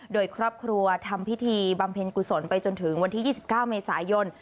โดยครอบครัวทำพิธีบำเพ็ญกุศลไปจนถึงวันที่๒๙เมษายน